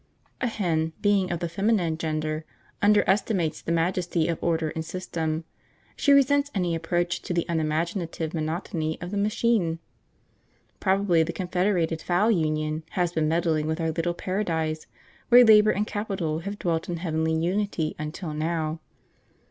A hen, being of the feminine gender, underestimates the majesty of order and system; she resents any approach to the unimaginative monotony of the machine. Probably the Confederated Fowl Union has been meddling with our little paradise where Labour and Capital have dwelt in heavenly unity until now.